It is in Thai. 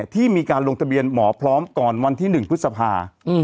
ที่มีการลงทะเบียนหมอพร้อมก่อนวันที่๑พฤษภา